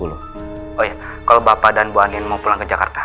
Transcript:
oh ya kalau bapak dan bu anien mau pulang ke jakarta